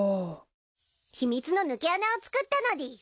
秘密の抜け穴を作ったのでぃす。